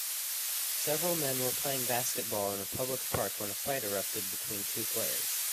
Several men were playing basketball in a public park when a fight erupted between two players.